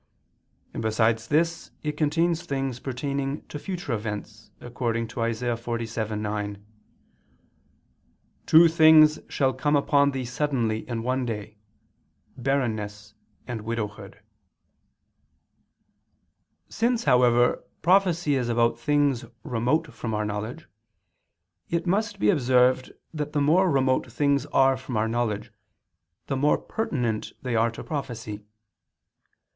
and besides this it contains things pertaining to future events, according to Isa. 47:9, "Two things shall come upon thee suddenly in one day, barrenness and widowhood." Since, however, prophecy is about things remote from our knowledge, it must be observed that the more remote things are from our knowledge the more pertinent they are to prophecy.